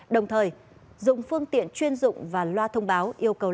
đồng thời dùng phương tiện chuyên dụng và loa thông báo